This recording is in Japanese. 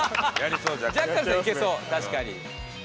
ジャッカルさんいけそう確かに。